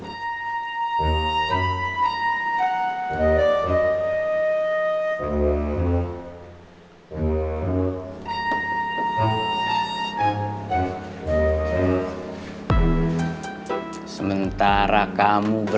gua udah ngabur maksimum kata